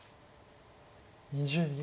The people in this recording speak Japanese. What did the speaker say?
２０秒。